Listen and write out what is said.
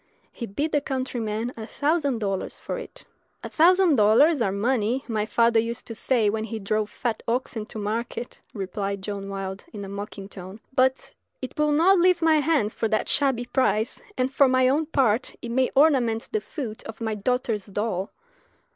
He bid the countryman a thousand dollars for it. "A thousand dollars are money, my father used to say when he drove fat oxen to market," replied John Wilde, in a mocking tone; "but it will not leave my hands for that shabby price, and, for my own part, it may ornament the foot of my daughter's doll!